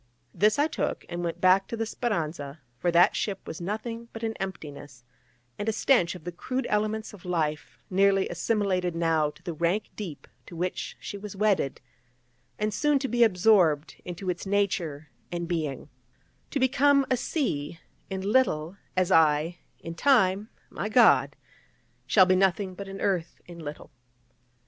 This I took, and went back to the Speranza: for that ship was nothing but an emptiness, and a stench of the crude elements of life, nearly assimilated now to the rank deep to which she was wedded, and soon to be absorbed into its nature and being, to become a sea in little, as I, in time, my God, shall be nothing but an earth in little.